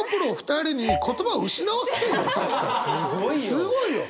すごいよ！